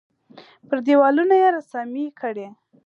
پر دېوالونو یې رسامۍ کړي.